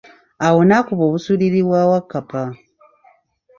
Awo nakuba obuswiriri bwa Wakkapa.